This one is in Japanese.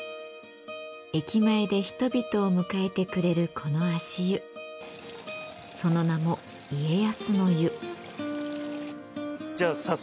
駅前で人々を迎えてくれるこの足湯その名もじゃあ早速。